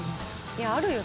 いやあるよ